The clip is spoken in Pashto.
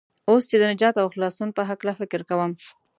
اوس چې د نجات او خلاصون په هلکه فکر کوم.